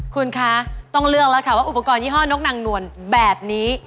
คุณคะต้องเลือกแล้วค่ะว่าอุปกรณ์ยี่ห้อนกนางนวลแบบนี้